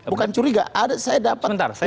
bukan curiga saya dapat informasi